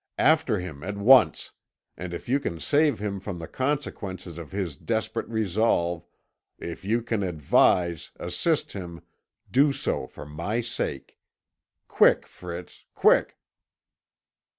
After him at once, and if you can save him from the consequences of his desperate resolve if you can advise, assist him, do so for my sake. Quick, Fritz, quick!"